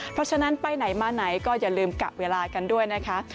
เพราะฉะนั้นไปไหนมาไหนก็อย่าลืมกะเวลากันด้วยนะคะ